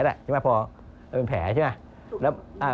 เราเป็นแผลใช่ไหม